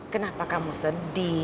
kenapa kamu sedih